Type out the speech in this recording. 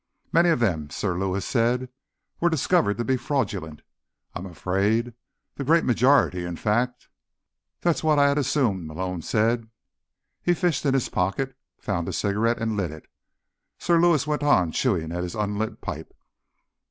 "Many of them," Sir Lewis said, "were discovered to be fraudulent, I'm afraid. The great majority, in fact." "That's what I'd assume," Malone said. He fished in his pockets, found a cigarette and lit it. Sir Lewis went on chewing at his unlit pipe.